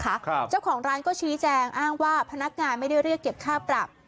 ครับเจ้าของร้านก็ชี้แจงอ้างว่าพนักงานไม่ได้เรียกเก็บค่าปรับ